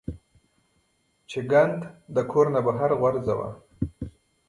چې ګند د کور نه بهر غورځوه -